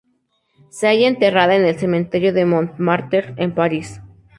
Se halla enterrada en el Cementerio de Montmartre, en París.